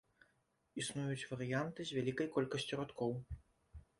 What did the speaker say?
Існуюць варыянты з вялікай колькасцю радкоў.